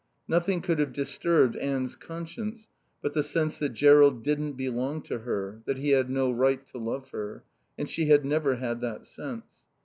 Nothing could have disturbed Anne's conscience but the sense that Jerrold didn't belong to her, that he had no right to love her; and she had never had that sense.